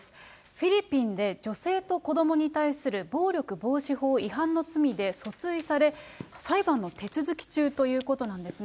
フィリピンで女性と子どもに対する暴力防止法違反の罪で訴追され、裁判の手続き中ということなんですね。